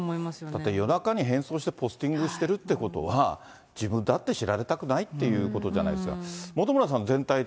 だって夜中に変装してポスティングしてるってことは、自分だって知られたくないっていうことじゃないですか。